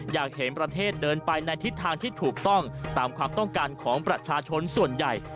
อยากเห็นประเทศเดินไปในทิศทางที่ถูกต้องตามความต้องการของประชาชนส่วนใหญ่